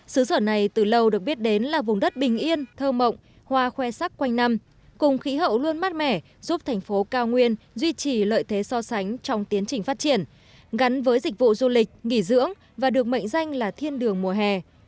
xứ sở này từ lâu được biết đến là vùng đất bình yên thơ mộng hoa khoe sắc quanh năm cùng khí hậu luôn mát mẻ giúp thành phố cao nguyên duy trì lợi thế so sánh trong tiến trình phát triển gắn với dịch vụ du lịch nghỉ dưỡng và được mệnh danh là thiên đường mùa hè